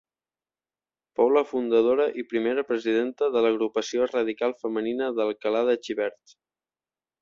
Fou la fundadora i primera presidenta de l’Agrupació Radical Femenina d’Alcalà de Xivert.